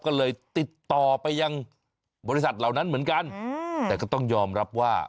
ก็เลยติดต่อไปยังบริษัทเหล่านั้นเหมือนกันแต่ก็ต้องยอมรับว่า